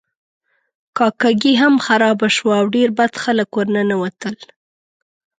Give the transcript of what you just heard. کاکه ګي هم خرابه شوه او ډیر بد خلک ورننوتل.